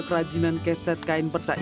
bisa membantu keuangan keluarga